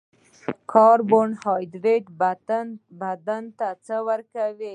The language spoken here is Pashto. کاربوهایدریت بدن ته څه ورکوي